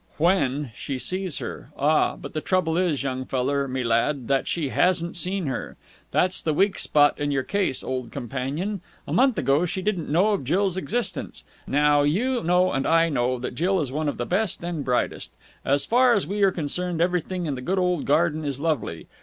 "When she sees her! Ah! But the trouble is, young feller me lad, that she hasn't seen her! That's the weak spot in your case, old companion. A month ago she didn't know of Jill's existence. Now, you know and I know that Jill is one of the best and brightest. As far as we are concerned, everything in the good old garden is lovely.